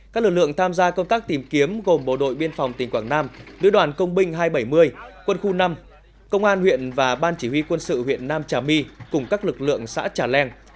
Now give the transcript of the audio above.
các lực lượng tham gia công tác tìm kiếm gồm bộ đội biên phòng tỉnh quảng nam nữ đoàn công binh hai trăm bảy mươi quân khu năm công an huyện và ban chỉ huy quân sự huyện nam trà my cùng các lực lượng xã trà leng